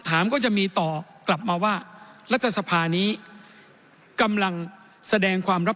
ก็จะมีต่อกลับมาว่ารัฐสภานี้กำลังแสดงความรับ